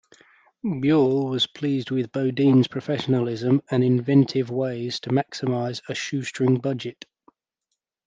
Buell was pleased with Beaudine's professionalism and inventive ways to maximize a shoestring budget.